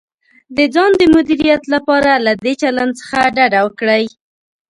د ځان د مدیریت لپاره له دې چلند څخه ډډه وکړئ: